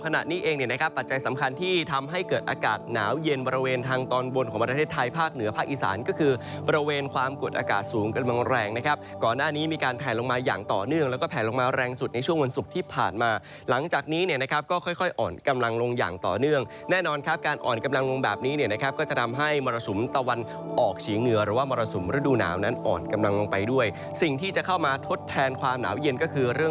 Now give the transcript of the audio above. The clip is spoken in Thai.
ในประเทศไทยภาคเหนือภาคอีสานก็คือบริเวณความกดอากาศสูงกำลังแรงนะครับก่อนหน้านี้มีการแผ่นลงมาอย่างต่อเนื่องแล้วก็แผ่นลงมาแรงสุดในช่วงวันศุกร์ที่ผ่านมาหลังจากนี้นะครับก็ค่อยอ่อนกำลังลงอย่างต่อเนื่องแน่นอนครับการอ่อนกำลังลงแบบนี้นะครับก็จะทำให้มรสุมตะวันออกฉีงเหนือ